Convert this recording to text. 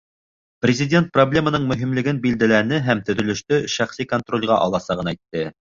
Президент проблеманың мөһимлеген билдәләне һәм төҙөлөштө шәхси контролгә аласағын әйтте.